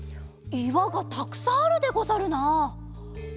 いわがたくさんあるでござるな。